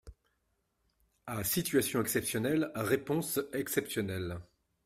À situation exceptionnelle, réponses exceptionnelles.